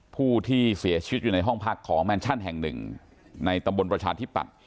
ผู้ที่เสียชีวิตอยู่ในห้องพักของแมนชั่นแห่งหนึ่งในตำบลประชาธิปัตย